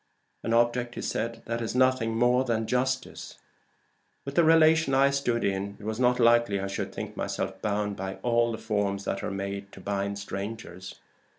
"An object that is nothing more than justice. With the relation I stood in, it was not likely I should think myself bound by all the forms that are made to bind strangers.